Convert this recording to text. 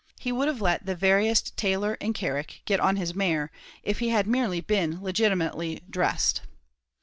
He would have let the veriest tailor in Carrick get on his mare if he had merely been legitimately dressed.